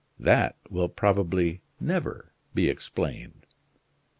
That will probably never be explained."